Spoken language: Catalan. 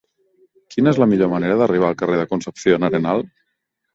Quina és la millor manera d'arribar al carrer de Concepción Arenal?